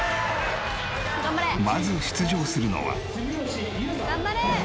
まず出場するのは。